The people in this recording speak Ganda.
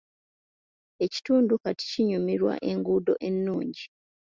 Ekitundu kati kinyumirwa enguudo ennungi.